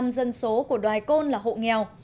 chín mươi một dân số của đoài côn là hộ nghèo